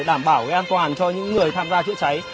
đảm bảo an toàn cho những người tham gia chữa cháy